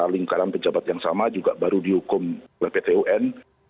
lingkaran pejabat yang sama juga baru dihukum oleh pt un